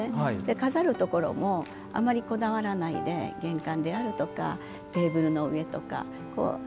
飾るところもあまりこだわらないで玄関であるとかテーブルの上とか。